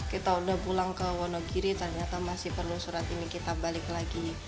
kita udah pulang ke wonogiri ternyata masih perlu surat ini kita balik lagi